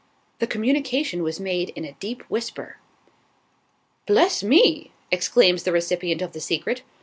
The communication was made in a deep whisper. "Bless me!" exclaims the recipient of the secret.